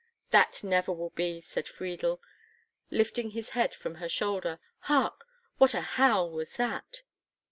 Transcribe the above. "That never will be," said Friedel, lifting his head from her shoulder. "Hark! what a howl was that!"